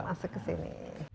masuk ke sini